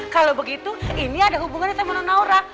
kalau begitu ini ada hubungannya sama non aura